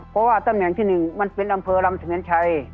เพราะว่าตำแหน่งที่๑มันเป็นอำเภอลำเสมียนชัย